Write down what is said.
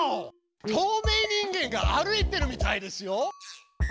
とうめい人間が歩いてるみたいですよ！